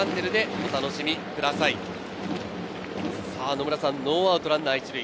野村さん、ノーアウトランナー１塁。